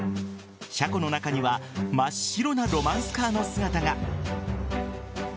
車庫の中には真っ白なロマンスカーの姿が。